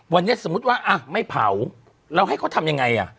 วันนี้สมมุติว่าอ่ะไม่เผาเราให้เขาทำยังไงอ่ะ